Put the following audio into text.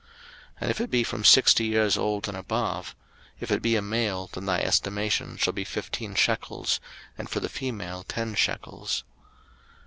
03:027:007 And if it be from sixty years old and above; if it be a male, then thy estimation shall be fifteen shekels, and for the female ten shekels.